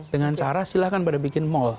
dengan cara silahkan pada bikin mall